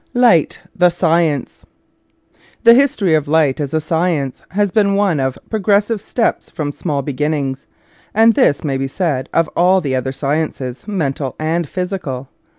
light: the science. The history of light as a science has been one of progressive steps from small begin nings; and this may be said of all the other sciences, mental and physical.